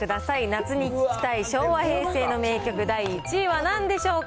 夏に聴きたい昭和・平成の名曲第１位はなんでしょうか。